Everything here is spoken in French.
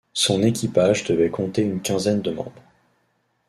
Son équipage devait compter une quinzaine de membres.